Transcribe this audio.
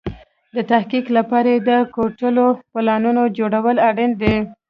د تحقق لپاره يې د کوټلو پلانونو جوړول اړين دي.